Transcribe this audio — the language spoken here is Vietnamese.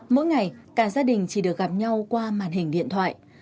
mỗi ngày cả gia đình chỉ được gặp nhau qua màn hình điện thoại